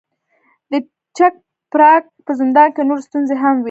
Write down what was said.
د چک پراګ په زندان کې نورې ستونزې هم وې.